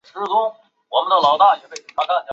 而且王康陆曾经是台湾公论报的义工之一。